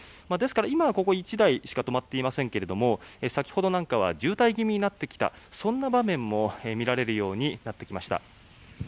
ですから今は１台しか止まっていませんけども先ほどなんかは渋滞気味になってきたそんな場面も見られるようになってきました。